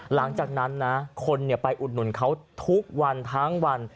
หลังจากนั้นนะคนไปอุดหนุนเขาทุกวันทั้งวัน